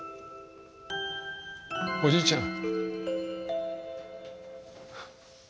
おじいちゃん。